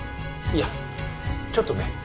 いやちょっとね。